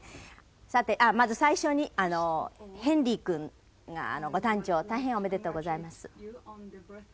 さてまず最初にヘンリー君がご誕生大変おめでとうございます。